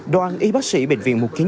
đoàn y bác sĩ bệnh viện một trăm chín mươi